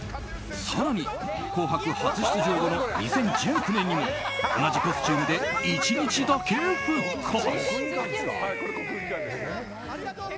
更に「紅白」初出場後の２０１９年にも同じコスチュームで１日だけ復活。